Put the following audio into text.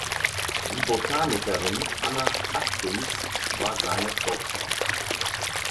Die Botanikerin Anna Atkins war seine Tochter.